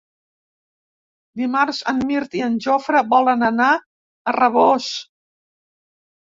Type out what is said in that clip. Dimarts en Mirt i en Jofre volen anar a Rabós.